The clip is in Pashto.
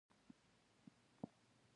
حتی که په ستر ښار کې ژوند وکړي.